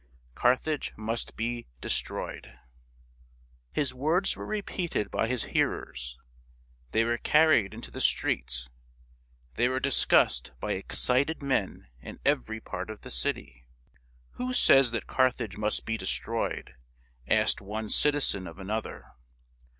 (Carthage must be destroyed !) His words were repeated by his hearers; they were carried into the Street ; they were discussed by excited men in every part of the city. " Who says that Carthage must be destroyed ?" asked one citizen of another.